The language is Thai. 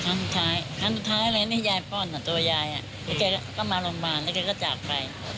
ใช่ครั้งสุดท้ายครั้งสุดท้ายเลยเนี่ยยายป้อนตัวยายแล้วแกก็มาโรงพยาบาลแล้วแกก็จากไป